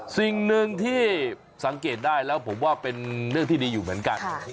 สิ่งหนึ่งที่สังเกตได้แล้วผมว่าเป็นเรื่องที่ดีอยู่เหมือนกัน